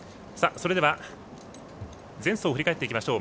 それでは前走を振り返っていきましょう。